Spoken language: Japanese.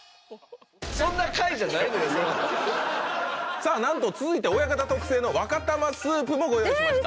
さぁなんと続いて親方特製のわかたまスープもご用意しました。